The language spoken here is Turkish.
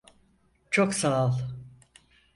Çok sağol.